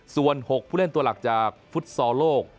ส่วน๖ผู้เล่นตัวหลักจากฟุตซอลโลก